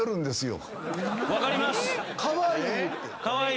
分かります！